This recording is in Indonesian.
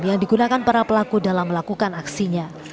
yang digunakan para pelaku dalam melakukan aksinya